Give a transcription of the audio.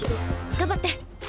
頑張って！